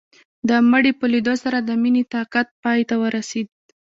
د مړي په ليدو سره د مينې طاقت پاى ته ورسېد.